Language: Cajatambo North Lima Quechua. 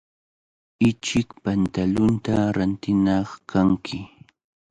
Ichik pantalunta rantinaq kanki.